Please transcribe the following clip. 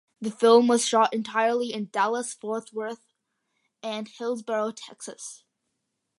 The film was shot entirely in Dallas, Fort Worth, and Hillsboro, Texas.